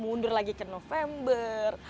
mundur lagi ke november